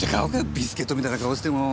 ビスケットみたいな顔してもう。